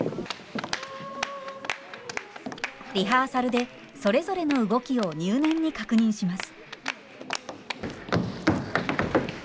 リハーサルでそれぞれの動きを入念に確認します。